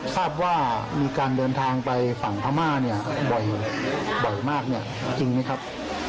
ทราบว่ามีการเดินทางไปฝั่งพม่าบ่อยมากจริงไหมครับ